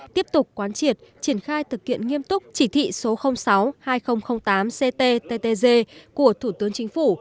tiếp tục quán triệt triển khai thực hiện nghiêm túc chỉ thị số sáu hai nghìn tám cttg của thủ tướng chính phủ